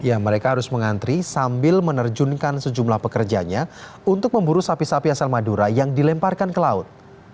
ya mereka harus mengantri sambil menerjunkan sejumlah pekerjanya untuk memburu sapi sapi asal madura yang dilemparkan ke laut